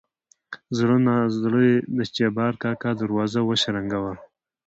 زړه نازړه يې د جبار کاکا دروازه وشرنګه وه.